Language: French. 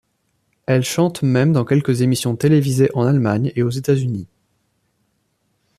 Elles chantent même dans quelques émissions télévisées en Allemagne et aux États-Unis.